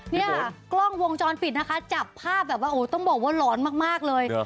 เนี่ยกล้องวงจรปิดนะคะจับภาพแบบว่าโอ้ต้องบอกว่าหลอนมากเลย